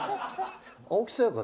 青木さやか